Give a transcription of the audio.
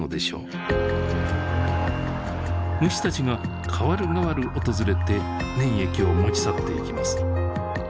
虫たちが代わる代わる訪れて粘液を持ち去っていきます。